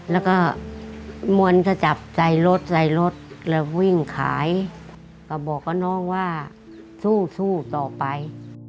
แล้วก็มวลก็จับใส่รถใส่รถแล้ววิ่งขายก็บอกกับน้องว่าสู้สู้ต่อไป